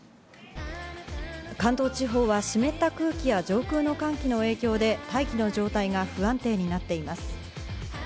関東地方は湿った空気や上空の寒気の影響で大気の状態が不安定になっています。